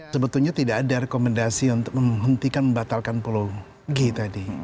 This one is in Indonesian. sebetulnya tidak ada rekomendasi untuk menghentikan membatalkan pulau g tadi